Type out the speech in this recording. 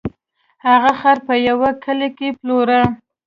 هغه خر په یوه کلي کې پلوره.